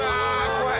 怖い！